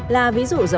là ví dụ rõ ràng hơn